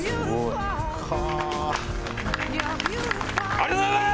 ありがとうございます！